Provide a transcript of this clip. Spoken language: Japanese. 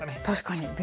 確かに。